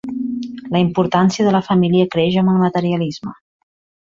La importància de la família creix amb el materialisme.